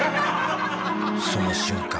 その瞬間